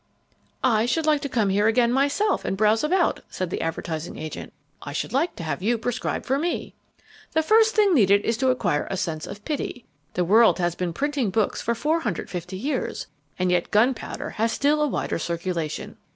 "I should like to come here again myself and browse about," said the advertising agent. "I should like to have you prescribe for me." "The first thing needed is to acquire a sense of pity. The world has been printing books for 450 years, and yet gunpowder still has a wider circulation.